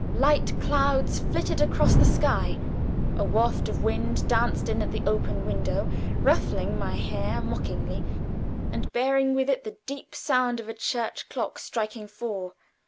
Light clouds flitted across the sky, a waft of wind danced in at the open window, ruffling my hair mockingly, and bearing with it the deep sound of a church clock striking four.